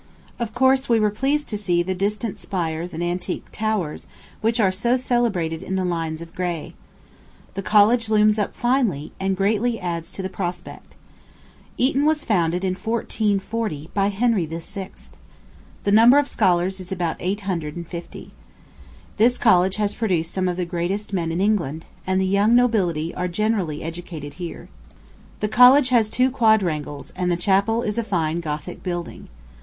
Of course, we were pleased to see "the distant spires and antique towers" which are so celebrated in the lines of Gray. The college looms up finely, and greatly adds to the prospect. Eton was founded in 1440, by Henry VI. The number of scholars is about eight hundred and fifty. This college has produced some of the greatest men in England, and the young nobility are generally educated here. The college has two quadrangles, and the chapel is a fine Gothic building.